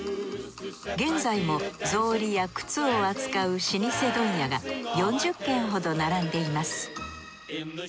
現在も草履や靴を扱う老舗問屋が４０軒ほど並んでいます。